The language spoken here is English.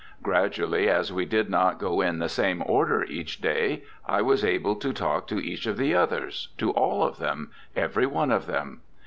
Gradually, as we did not go in the same order each day, I was able to talk to each of the others, to all of them, every one of them.